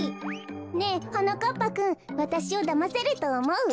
ねえはなかっぱくんわたしをだませるとおもう？